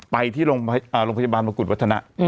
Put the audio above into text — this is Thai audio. ไปที่โรงพยาบาลมงกุฎวัฒนะ